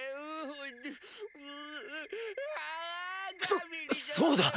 そそうだ！